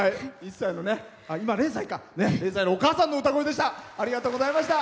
０歳のお母さんの歌声でした。